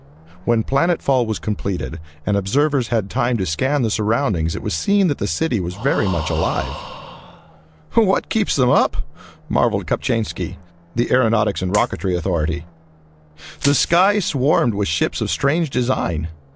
When planet fall was completed and observers had time to scan the surroundings it was seen that the city was very much alive. "What keeps them up!" marvelled Kopchainski, the aeronautics and rocketry authority. The sky swarmed with ships of strange design.